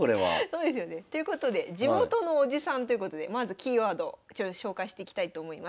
そうですよね。ということで「地元のおじさん」ということでまずキーワード紹介していきたいと思います。